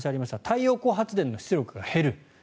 太陽光発電の出力が減る。